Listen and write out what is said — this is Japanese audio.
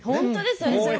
本当ですよね。